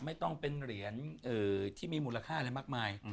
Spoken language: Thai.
ไม่ต้องเป็นเหรียญที่มีมูลค่าอะไรมากมาย